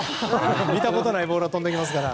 見たことないボールが飛んできますから。